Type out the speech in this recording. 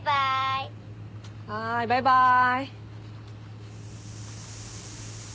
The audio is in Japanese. はーいバイバーイ！